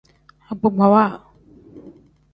Agbagbawa.